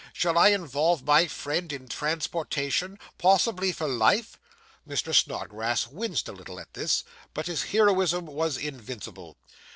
Shall I involve my friend in transportation possibly for life!' Mr. Snodgrass winced a little at this, but his heroism was invincible.